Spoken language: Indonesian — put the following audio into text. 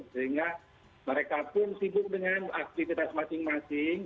sehingga mereka pun sibuk dengan aktivitas masing masing